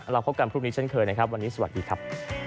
เราพบกันพรุ่งนี้เช่นเคยนะครับวันนี้สวัสดีครับ